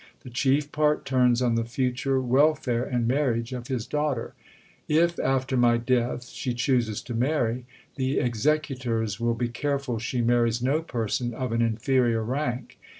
The chief part turns on the future welfare and marriage of his daughter. "If, after my death, she chooses to marry, the executors will be careful she marries no person of an inferior rank.